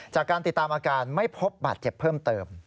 จากการติดตามอาการไม่พบบาดเจ็บเพิ่มเติม